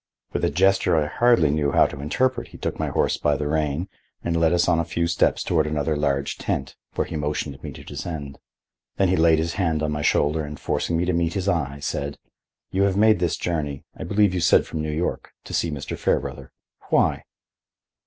With a gesture I hardly knew how to interpret he took my horse by the rein and led us on a few steps toward another large tent, where he motioned me to descend. Then he laid his hand on my shoulder and, forcing me to meet his eye, said: "You have made this journey—I believe you said from New York—to see Mr. Fairbrother. Why?"